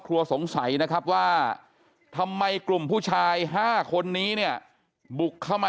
สงสัยนะครับว่าทำไมกลุ่มผู้ชาย๕คนนี้เนี่ยบุกเข้ามา